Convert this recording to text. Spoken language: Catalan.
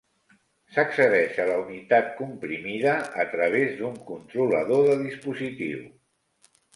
S'accedeix a la unitat comprimida a través d'un controlador de dispositiu.